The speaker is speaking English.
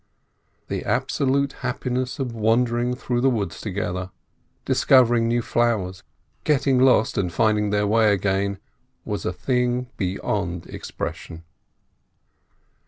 The absolute happiness of wandering through the woods together, discovering new flowers, getting lost, and finding their way again, was a thing beyond expression.